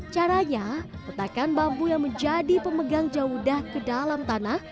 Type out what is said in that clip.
caranya letakkan bambu yang menjadi pemegang jawudah ke dalam tanah